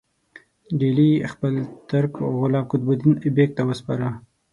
ډهلی یې خپل ترک غلام قطب الدین ایبک ته وسپاره.